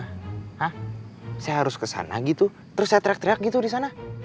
hah saya harus kesana gitu terus saya teriak teriak gitu disana